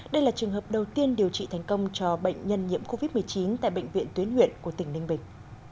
đây là trường hợp đầu tiên điều trị thành công cho bệnh nhân nhiễm covid một mươi chín tại bệnh viện tuyến huyện của tỉnh ninh bình